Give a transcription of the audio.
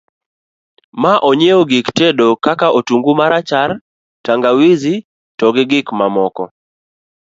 ma onyiew gik tedo kaka otungu marachar, tangawizi to gi gik mamoko